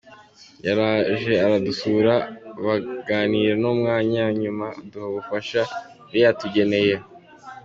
Yaraje aradusura baganira n’umwana , nyuma aduha ubufasha yari yatugeneye.